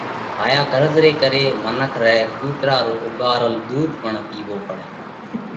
هائيا غرض ري ڪري منک رئہ ڪُوترا رو اُوڳارل ۮُوڌ پڻ پِيوو پڙئه۔